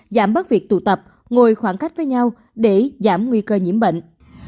giảm bớt việc tụ tập ngồi khoảng cách với nhau để giảm nguy cơ nhiễm bệnh